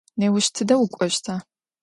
Nêuş tıde vuk'oşta?